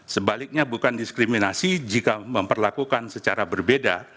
sebaliknya bukan diskriminasi jika memperlakukan secara berbeda